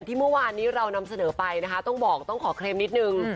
ที่เมื่อวานนี้เรานำเสนอไปนะคะต้องบอกต้องขอเคลมนิดนึง